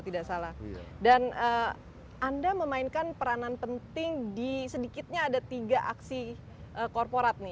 dan anda memainkan peranan penting di sedikitnya ada tiga aksi korporat nih